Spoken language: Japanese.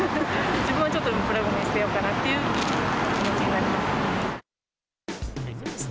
自分はちょっとプラごみに捨てようかなという気持ちになりますね。